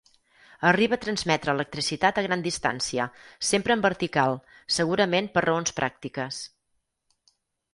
Arriba a transmetre electricitat a gran distància, sempre en vertical, segurament per raons pràctiques.